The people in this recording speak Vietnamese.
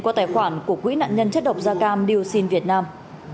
qua tài khoản của quỹ nạn nhân chất độc gia cam điêu sinh việt nam